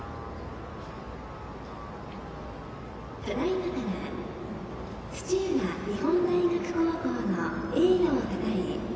ただいまから土浦日本大学高校の栄誉をたたえ